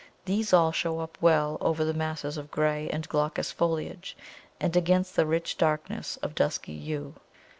These all show up well over the masses of grey and glaucous foliage, and against the rich darkness of dusky Yew.